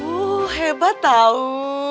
oh hebat tau